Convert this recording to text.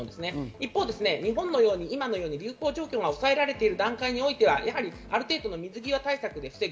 一方、日本のように今、流行状況が抑えられている段階においてはある程度、水際対策で防ぐ。